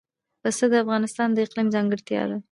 پسه د افغانستان د اقلیم ځانګړتیا ده.